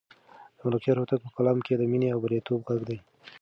د ملکیار هوتک په کلام کې د مینې د بریالیتوب غږ دی.